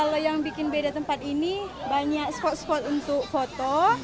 kalau yang bikin beda tempat ini banyak spot spot untuk foto